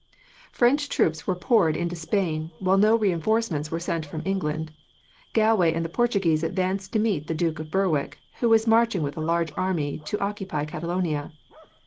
"French troops were poured into Spain, while no reinforcements were sent from England. Galway and the Portuguese advanced to meet the Duke of Berwick, who was marching with a large army to occupy Catalonia.